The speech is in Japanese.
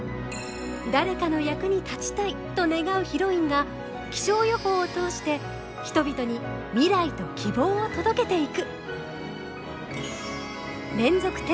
誰かの役に立ちたいと願うヒロインが気象予報を通して人々に未来と希望を届けていく！